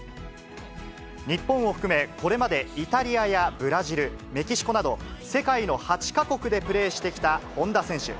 日本を含め、これまでイタリアやブラジル、メキシコなど、世界の８か国でプレーしてきた本田選手。